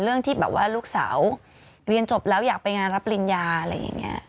ที่แบบว่าลูกสาวเรียนจบแล้วอยากไปงานรับปริญญาอะไรอย่างนี้